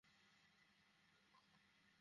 খুনি কে বলে মনে হয় আপনার?